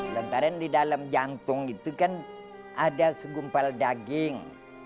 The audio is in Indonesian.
lantaran di dalam jantung itu kan ada segumpal daging